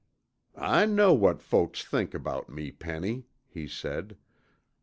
"I know what folks think about me, Penny," he said.